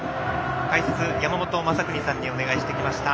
解説、山本昌邦さんにお願いしてきました。